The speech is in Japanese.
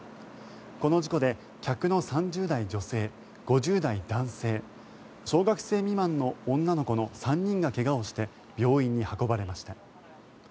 この事故で客の３０代女性、５０代男性小学生未満の女の子の３人が怪我をして病院に運ばれました。